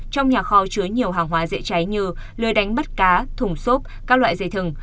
trong nhà kho chứa nhiều hàng hóa dễ cháy như lười đánh bắt cá thùng xốp các loại dây thừng